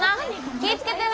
気ぃ付けてな。